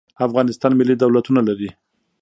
افغانستان ملي دولتونه لري.